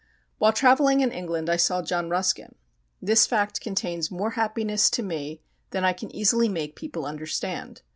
While travelling in England I saw John Ruskin. This fact contains more happiness to me than I can easily make people understand.